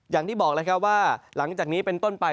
อย่างที่บอกแล้วครับว่าหลังจากนี้เป็นต้นไป